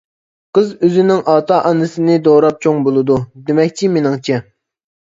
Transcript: قىز ئۆزىنىڭ ئاتا-ئانىسىنى دوراپ چوڭ بولىدۇ، دېمەكچى مېنىڭچە.